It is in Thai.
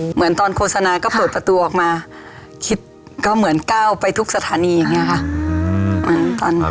เหมือนตอนโฆษณาก็เปิดประตูออกมาคิดก็เหมือนก้าวไปทุกสถานีอย่างนี้ค่ะ